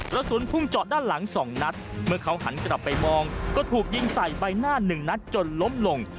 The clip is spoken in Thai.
สุนพุ่งเจาะด้านหลัง๒นัดเมื่อเขาหันกลับไปมองก็ถูกยิงใส่ใบหน้าหนึ่งนัดจนล้มลง